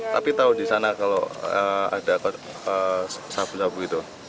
tapi tahu di sana kalau ada sabu sabu itu